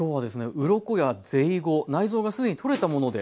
ウロコやゼイゴ内臓が既に取れたもので。